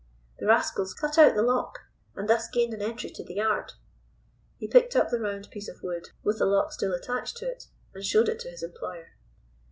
"The rascals cut out the lock, and thus gained an entry to the yard." He picked up the round piece of wood with the lock still attached to it, and showed it to his employer.